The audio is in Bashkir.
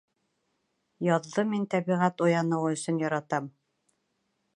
Яҙҙы мин тәбиғәт уяныуы өсөн яратам